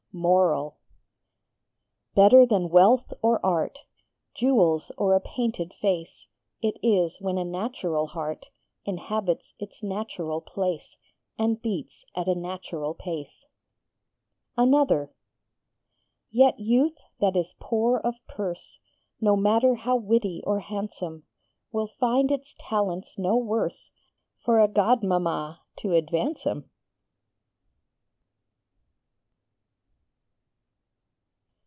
MORAL Better than wealth or art, Jewels or a painted face, It is when a natural heart Inhabits its natural place And beats at a natural pace. ANOTHER Yet youth that is poor of purse, No matter how witty or handsome, Will find its talents no worse _For a godmamma to advance 'em.